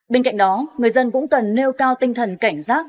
bên cạnh đó người dân cũng cần nêu cao tinh thần cảnh giác